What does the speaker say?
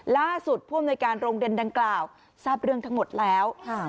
ผู้อำนวยการโรงเรียนดังกล่าวทราบเรื่องทั้งหมดแล้ว